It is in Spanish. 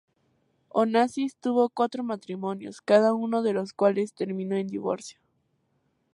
Onassis tuvo cuatro matrimonios, cada uno de los cuales terminó en divorcio.